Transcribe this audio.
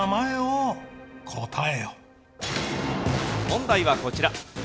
問題はこちら。